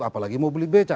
apalagi mobilisasi beca